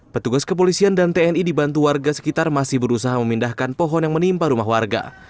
petugas kepolisian dan tni dibantu warga sekitar masih berusaha memindahkan pohon yang menimpa rumah warga